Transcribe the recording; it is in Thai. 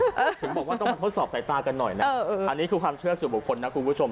ถึงบอกว่าต้องมาทดสอบสายตากันหน่อยนะอันนี้คือความเชื่อสู่บุคคลนะคุณผู้ชม